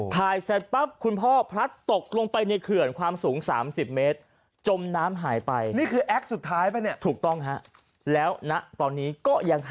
ถ่ายเสร็จปั๊บคุณพ่อพลัดตก